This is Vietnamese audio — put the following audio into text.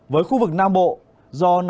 với khu vực nam bộ